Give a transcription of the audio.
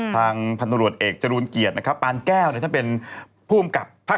ทางฯเอกจรูลเกียรติตรแก้วผู้กับภา๔